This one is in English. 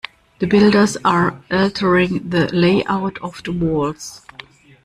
The builders are altering the layout of the walls.